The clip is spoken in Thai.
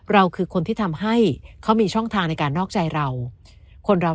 คือคนที่ทำให้เขามีช่องทางในการนอกใจเราคนเรา